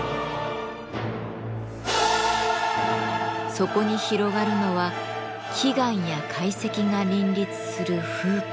そこに広がるのは奇岩や怪石が林立する風景。